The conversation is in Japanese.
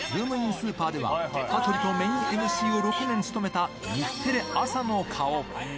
ＳＵＰＥＲでは、羽鳥とメインＭＣを６年務めた、日テレ朝の顔。